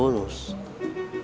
yang ini udah kecium